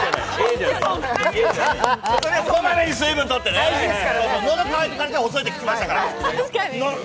そのたびに水分とってね、喉、渇いたら、もう遅いって聞きましたから。